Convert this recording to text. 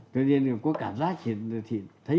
thế nên có cảm giác thì thấy thư viện là trung tâm